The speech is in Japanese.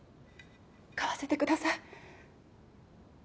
買わせてください。